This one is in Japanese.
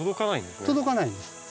届かないんですね。